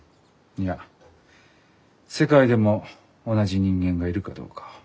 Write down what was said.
いや世界でも同じ人間がいるかどうか。